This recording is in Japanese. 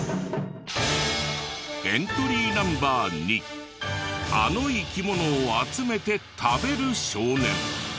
エントリーナンバー２あの生き物を集めて食べる少年。